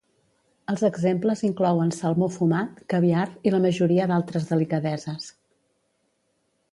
Els exemples inclouen salmó fumat, caviar i la majoria d'altres delicadeses.